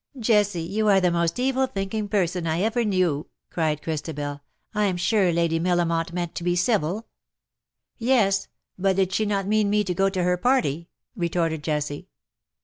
■'^" Jessie, you are the most evil thinking person I ever knew,''^ cried Christabel. " Fm sure Lady Millamont meant to be civil.^^ " Yes, but she did not mean me to go to her party ,^^ retorted Jessie.